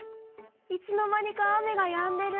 いつの間にか雨がやんでる！